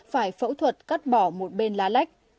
phải phẫu thuật cắt bỏ một bên lá lách